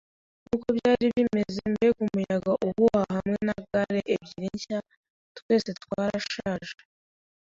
nkuko byari bimeze, mbega umuyaga uhuha hamwe na gale ebyiri nshya, twese twarashaje